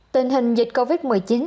tình hình dịch covid một mươi chín